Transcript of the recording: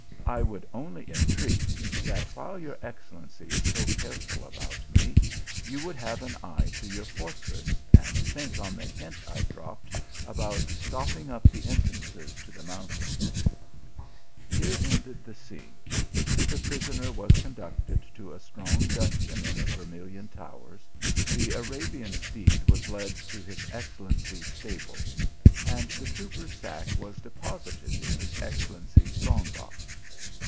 I would only entreat, that while your excel lency is so careful about me, you would have an eye to your fortress, and think on the hint I drop ped about stopping up the entrances to the moun tain." Here ended the scene. The prisoner was con 264 THE ALHAMDRA. ducted to a strong dungeon in the Vermilion towers, the Arabian steed was led to his excellency s stable, and the trooper s sack was deposited in his excel lency s strong box.